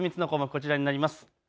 こちらになります。